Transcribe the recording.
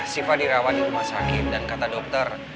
siva dirawat di rumah sakit dan kata dokter